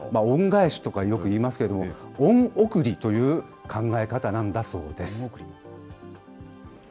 恩返しとかよく言いますけれども、恩送りという考え方なんだそうです。